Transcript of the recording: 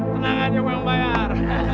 tenang aja bang bayar